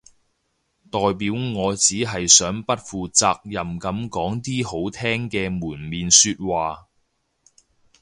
代表我只係想不負責任噉講啲好聽嘅門面說話